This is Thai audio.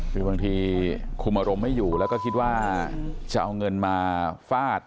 คือบางทีคุมอารมณ์ไม่อยู่แล้วก็คิดว่าจะเอาเงินมาฟาด